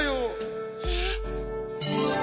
えっ。